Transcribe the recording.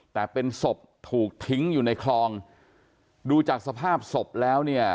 แต่เป็นศพถูกทิ้งอยู่ในคลองดูจากสภาพศพแล้วเนี่ย